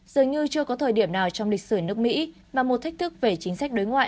dường như chưa có thời điểm nào trong lịch sử nước mỹ và một thách thức về chính sách đối ngoại